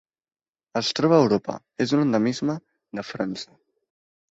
Es troba a Europa: és un endemisme de França.